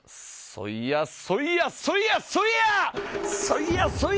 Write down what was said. そいやそいやそいやそいや！